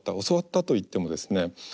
教わったと言ってもですね